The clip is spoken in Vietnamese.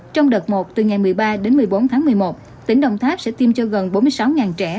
trong đợt một từ ngày một mươi ba đến một mươi bốn tháng một mươi một tỉnh đồng tháp sẽ tiêm cho gần bốn mươi sáu trẻ